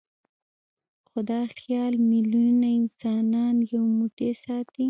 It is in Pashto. خو دا خیال میلیونونه انسانان یو موټی ساتي.